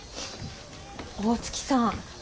大月さん。